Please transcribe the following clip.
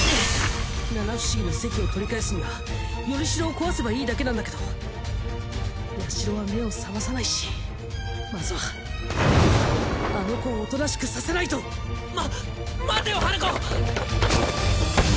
七不思議の席を取り返すんだ依代を壊せばいいだけなんだけどヤシロは目を覚まさないしまずはあの子をおとなしくさせないとまっ待てよ花子！